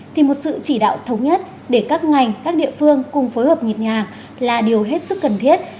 thì một sự chỉ đạo thống nhất để các ngành các địa phương cùng phối hợp nhịp nhàng là điều hết sức cần thiết